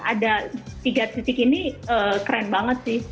ada tiga titik ini keren banget sih